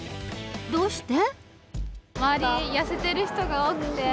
どうして？